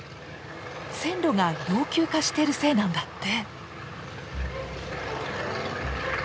線路が老朽化してるせいなんだって。